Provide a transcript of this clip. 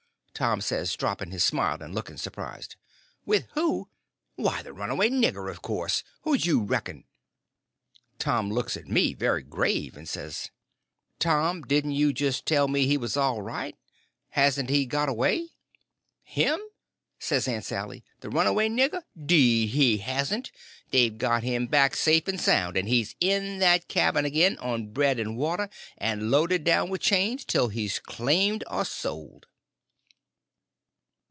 _" Tom says, dropping his smile and looking surprised. "With who? Why, the runaway nigger, of course. Who'd you reckon?" Tom looks at me very grave, and says: "Tom, didn't you just tell me he was all right? Hasn't he got away?" "Him?" says Aunt Sally; "the runaway nigger? 'Deed he hasn't. They've got him back, safe and sound, and he's in that cabin again, on bread and water, and loaded down with chains, till he's claimed or sold!"